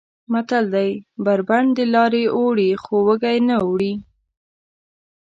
متل دی: بر بنډ دلارې اوړي خو وږی نه اوړي.